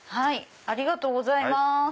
ありがとうございます。